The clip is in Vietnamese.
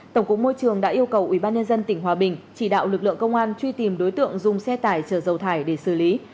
tổng cục môi trường đã yêu cầu ubnd tỉnh hòa bình chỉ đạo lực lượng công an truy tìm đối tượng dùng xe tải chở dầu thải để xử lý